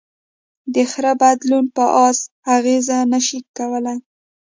د خره بدلون په آس اغېز نهشي کولی.